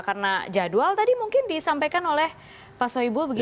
karena jadwal tadi mungkin disampaikan oleh pak soebo begitu